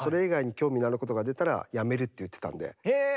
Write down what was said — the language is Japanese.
へえ。